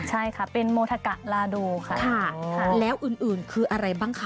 ใช่ค่ะเป็นโมทะกะลาโดค่ะแล้วอื่นคืออะไรบ้างคะ